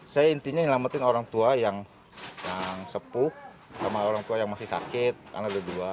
saya intinya nyelamatin orang tua yang sepuh sama orang tua yang masih sakit karena ada dua